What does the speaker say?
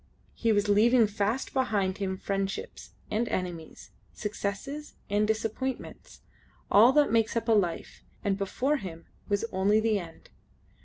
He was leaving fast behind him friendships, and enmities, successes, and disappointments all that makes up a life; and before him was only the end.